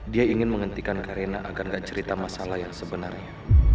dia ingin menghentikan kak raina agar tidak cerita masalah yang sebenarnya